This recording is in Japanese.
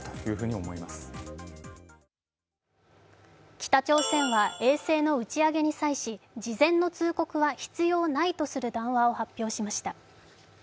北朝鮮は衛星の打ち上げに際し事前の通告は必要ないとする談話を発表しました。